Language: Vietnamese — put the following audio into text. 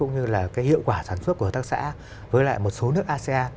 cũng như là cái hiệu quả sản xuất của các xã với lại một số nước asean